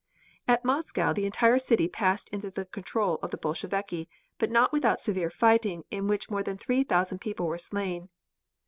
At Moscow the entire city passed into the control of the Bolsheviki but not without severe fighting in which more than three thousand people were slain.